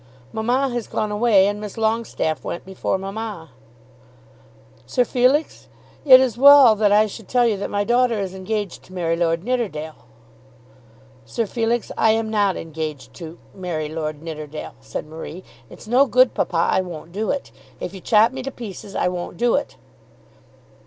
"Mamma has gone away, and Miss Longestaffe went before mamma." "Sir Felix, it is well that I should tell you that my daughter is engaged to marry Lord Nidderdale." "Sir Felix, I am not engaged to marry Lord Nidderdale," said Marie. "It's no good, papa. I won't do it. If you chop me to pieces, I won't do it."